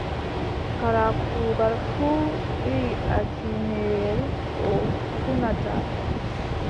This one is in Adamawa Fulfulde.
Kala kuugal fuu ɓii atiimiyel o huunata.